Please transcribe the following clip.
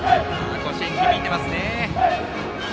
甲子園に響いていますね。